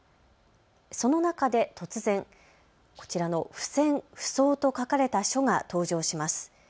その中で突然、こちらの不戦不争と書かれた書が登場します。